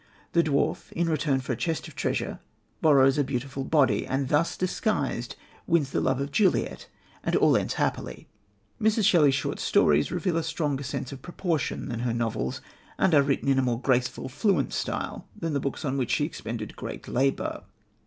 The dwarf, in return for a chest of treasure, borrows a beautiful body, and, thus disguised, wins the love of Juliet, and all ends happily. Mrs. Shelley's short stories reveal a stronger sense of proportion than her novels, and are written in a more graceful, fluent style than the books on which she expended great labour.